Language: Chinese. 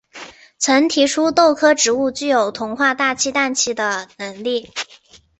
曾提出豆科植物具有同化大气氮气的能力。